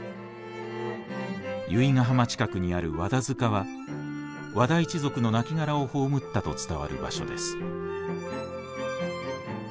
由比ヶ浜近くにある和田塚は和田一族の亡骸を葬ったと伝わる場所です。